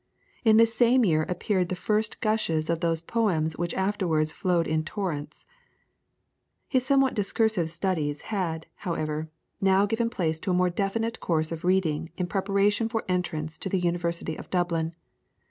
In this same year appeared the first gushes of those poems which afterwards flowed in torrents. His somewhat discursive studies had, however, now to give place to a more definite course of reading in preparation for entrance to the University of Dublin.